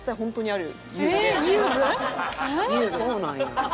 そうなんや。